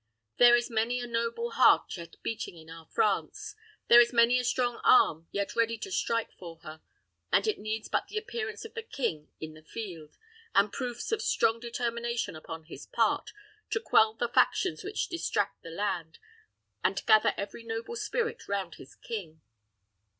There is many a noble heart yet beating in our France. There is many a strong arm yet ready to strike for her; and it needs but the appearance of the king in the field, and proofs of strong determination upon his part, to quell the factions which distract the land, and gather every noble spirit round his king.